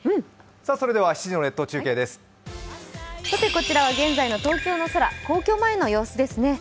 こちらは現在の東京の空、皇居前の様子ですね。